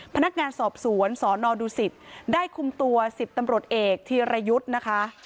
พนักงานสอบสวนสนดูสิตได้คุมตัว๑๐ตำรวจเอกธีรยุทธ์นะคะ